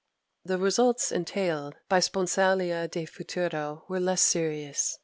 ] The results entailed by sponsalia de futuro were less serious.